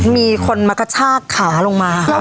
มีคนมากระชากขาลงมา